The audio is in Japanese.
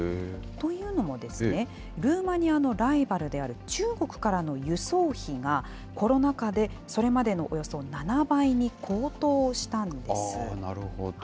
というのもですね、ルーマニアのライバルである中国からの輸送費が、コロナ禍でそれまでのおよそ７倍に高騰したんです。